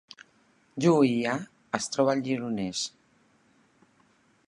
Juià es troba al Gironès